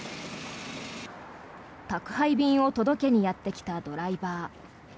宅配便を届けにやってきたドライバー。